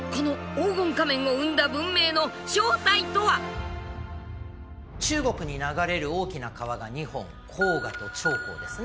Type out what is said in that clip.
果たして中国に流れる大きな川が２本黄河と長江ですね。